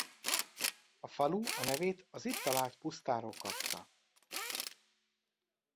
A falu a nevét az itt talált pusztáról kapta.